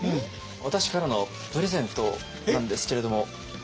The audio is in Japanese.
私からのプレゼントなんですけれども。